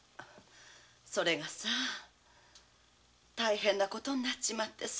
それが大変な事になっちまってさ。